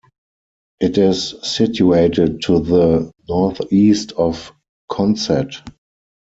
It is situated to the north-east of Consett.